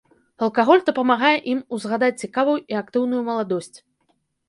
Алкаголь дапамагае ім узгадаць цікавую і актыўную маладосць.